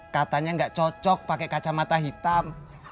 katanya nggak cocok pakai kacamata hitam